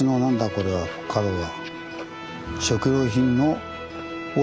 これは。角が。